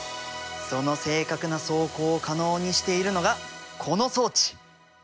その正確な走行を可能にしているのがこの装置。